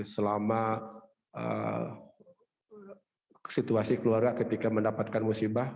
selama situasi keluarga ketika mendapatkan musibah